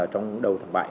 trong đầu tháng bảy